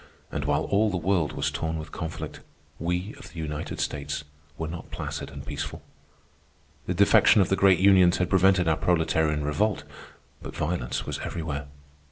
And while all the world was torn with conflict, we of the United States were not placid and peaceful. The defection of the great unions had prevented our proletarian revolt, but violence was everywhere.